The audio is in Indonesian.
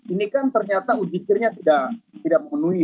ini kan ternyata ujikirnya tidak memenuhi